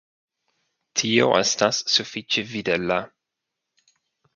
Tio estas sufiĉe videbla.